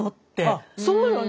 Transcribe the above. あそうよね。